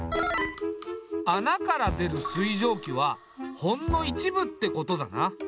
穴から出る水蒸気はほんの一部ってことだな。